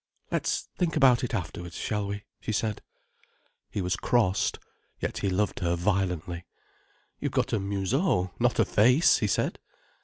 "Let's think about it afterwards, shall we?" she said. He was crossed, yet he loved her violently. "You've got a museau, not a face," he said.